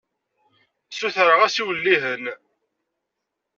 Sutreɣ-as iwellihen.